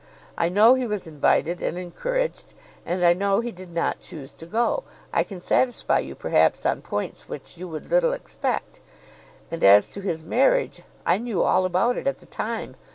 I know he was invited and encouraged, and I know he did not choose to go. I can satisfy you, perhaps, on points which you would little expect; and as to his marriage, I knew all about it at the time.